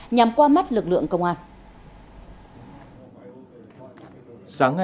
nhằm qua mắt lực lượng công an